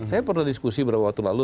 saya pernah diskusi beberapa waktu lalu